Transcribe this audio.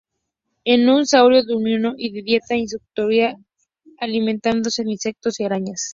Es un saurio diurno y de dieta insectívora, alimentándose de insectos y arañas.